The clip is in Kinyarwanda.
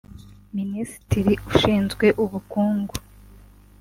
Minisitiri ushinzwe Ubukungu